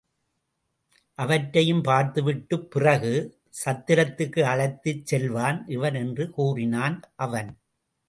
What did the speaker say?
அவற்றையும் பார்த்துவிட்டுப் பிறகு சத்திரத்துக்கு அழைத்துச் செல்வான் இவன் என்று கூறினான் அவன்.